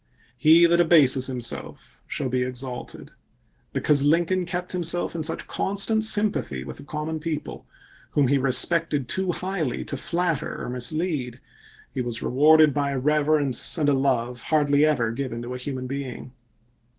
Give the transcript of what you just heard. He that abases himself shall be exalted. Because Lincoln kept himself in such constant sympathy with the common people, whom he respected too highly to flatter or mislead, he was rewarded by a reverence and a love hardly ever given to a human being.